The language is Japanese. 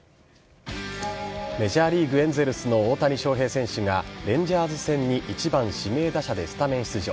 メジャーリーグエンゼルスの大谷翔平選手がレンジャーズ戦に１番・指名打者でスタメン出場。